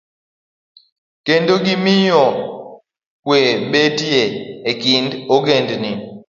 Kendo, gimiyo kwe betie e kind ogendini.